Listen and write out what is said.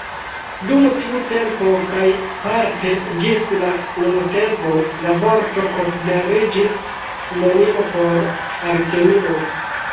Dum tiu tempo kaj parte ĝis la nuntempo, la vorto konsideriĝis sinonimo por Alkemio.